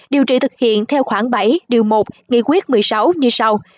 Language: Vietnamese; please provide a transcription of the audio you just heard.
điều trị thực hiện theo khoảng bảy điều một nghị quyết một mươi sáu như sau